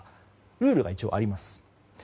ルールが一応あります。